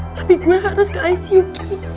tapi gue harus ke icu